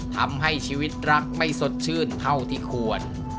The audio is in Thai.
ทำให้ชีวิตรักไม่สดชื่นเท่าที่ควร